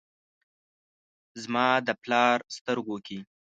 زما د پلار سترګو کې ،